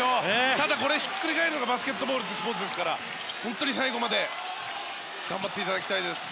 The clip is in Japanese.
ただ、これひっくり返るのがバスケットボールというスポーツですから本当に最後まで頑張っていただきたいです。